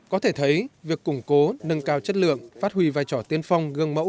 có thể thấy việc củng cố nâng cao chất lượng phát huy vai trò tiên phong gương mẫu